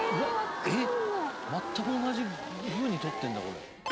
「えっ全く同じふうに撮ってるんだこれ」